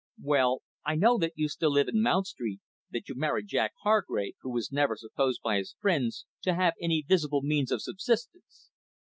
"Well, I know that you still live in Mount Street, that you married Jack Hargrave, who was never supposed by his friends to have any visible means of subsistence.